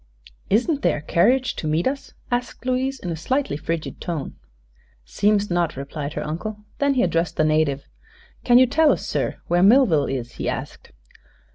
"Isn't there a carriage to meet us?" asked Louise, in a slightly frigid tone. "Seems not," replied her uncle. Then he addressed the native. "Can you tell us, sir, where Millville is?" he asked.